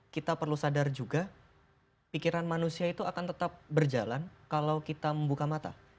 kita perlu sadar juga pikiran manusia itu akan tetap berjalan kalau kita membuka mata